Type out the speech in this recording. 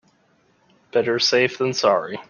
Better safe than sorry.